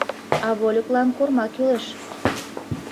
А вольыклан корма кӱлеш.